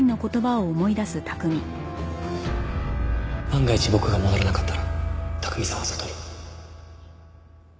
万が一僕が戻らなかったら拓海さんは外に。